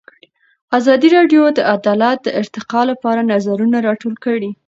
ازادي راډیو د عدالت د ارتقا لپاره نظرونه راټول کړي.